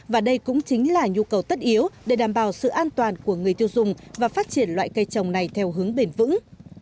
và đây cũng chính là nhu cầu tất yếu để đảm bảo sự an toàn của người tiêu dùng và phát triển loại cây trồng này theo hướng bền vững